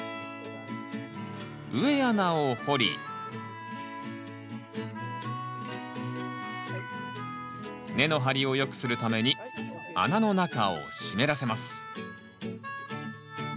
植え穴を掘り根の張りをよくするために穴の中を湿らせます。